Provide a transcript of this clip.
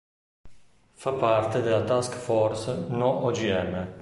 Fa parte della Task force No Ogm.